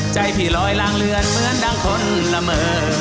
พี่ลอยลางเลือนเหมือนดังคนละเมอ